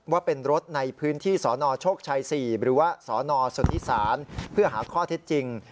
ว่าเป็นรถในพื้นที่สนโชคชัย๔หรือว่าสนสุธิศาลเพื่อหาข้อเท็จจริง